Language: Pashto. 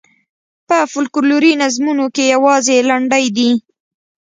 په فوکلوري نظمونو کې یوازې لنډۍ دي.